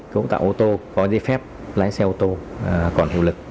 cấu tạo ô tô có giấy phép lái xe ô tô còn hiệu lực